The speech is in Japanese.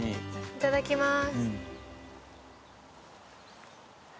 いただきまーす。